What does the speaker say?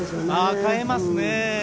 代えますね。